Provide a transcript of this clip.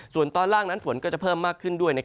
ส่วนตอนล่างนั้นฝนก็จะเพิ่มมากขึ้นด้วย